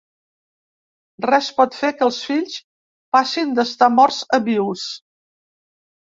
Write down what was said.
Res pot fer que els fills passin d'estar morts a vius.